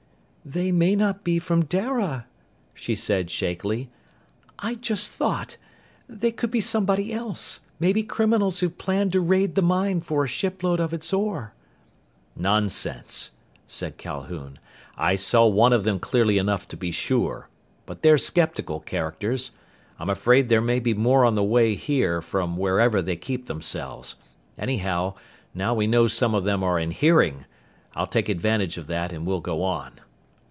"They may not be from Dara!" she said shakily. "I just thought! They could be somebody else, maybe criminals who planned to raid the mine for a shipload of its ore." "Nonsense," said Calhoun. "I saw one of them clearly enough to be sure. But they're skeptical characters. I'm afraid there may be more on the way here from wherever they keep themselves. Anyhow, now we know some of them are in hearing! I'll take advantage of that and we'll go on."